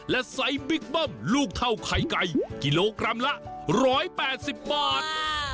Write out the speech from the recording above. และไซส์บิ๊กบ้อมลูกเท่าไข่ไก่กิโลกรัมละร้อยแปดสิบบาท